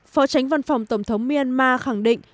phó chánh văn phòng tổng thống myanmar khẳng định